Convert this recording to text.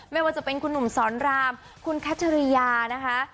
ไม่ว่าจะเป็นคุณหนุ่มสอนรามคุณคัชริยานะคะ